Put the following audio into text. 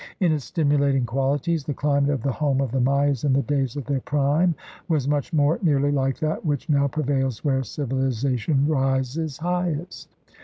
In its stimulating qualities the climate of the home of the Mayas in the days of their prime was much more nearly like that which now prevails where civilization rises highest.